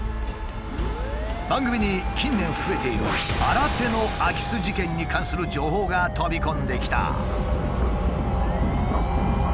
番組に近年増えている新手の空き巣事件に関する情報が飛び込んできた！